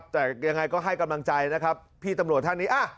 แต่ยังไงก็ให้กำลังใจนะครับพี่ตำรวจท่านนี้